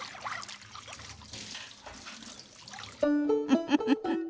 ウフフフ。